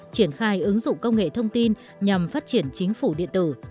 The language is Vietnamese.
triển khai ứng dụng công nghệ thông tin nhằm phát triển chính phủ điện tử